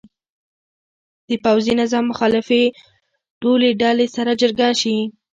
د پوځي نظام مخالفې ټولې ډلې سره جرګه شي.